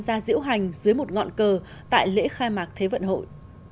gia diễu hành dưới một ngọn cờ tại lễ khai mạc thế vận hội